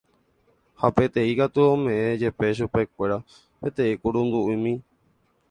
ha peteĩ katu ome'ẽ jepe chupe peteĩ kurundu'imi